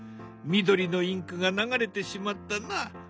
緑のインクが流れてしまったな。